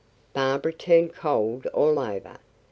Barbara turned cold all over.